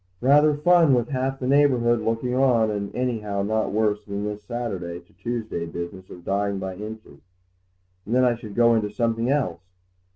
"Rather fun with half the neighbourhood looking on, and anyhow not worse than this Saturday to Tuesday business of dying by inches; and then I should go on into something else.